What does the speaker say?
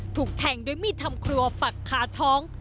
ถูกแทงด้วยมีดทำครัวปักคาท้อง